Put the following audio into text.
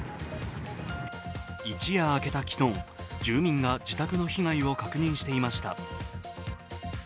一夜明けた昨日、住民が自宅の被害を確認していました。